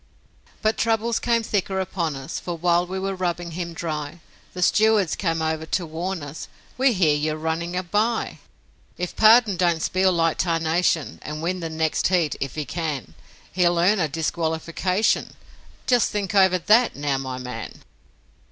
But troubles came thicker upon us, For while we were rubbing him dry The stewards came over to warn us: 'We hear you are running a bye! If Pardon don't spiel like tarnation And win the next heat if he can He'll earn a disqualification; Just think over THAT, now, my man!'